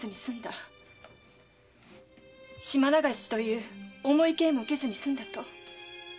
島流しという重い刑も受けずにすんだと。